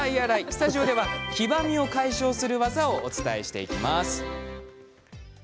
スタジオでは、黄ばみを解消する技をお伝えします。